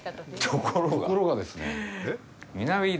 ところがですね